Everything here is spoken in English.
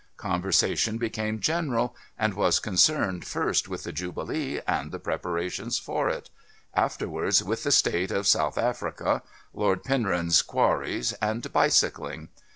Conversation became general, and was concerned first with the Jubilee and the preparations for it, afterwards with the state of South Africa, Lord Penrhyn's quarries, and bicycling.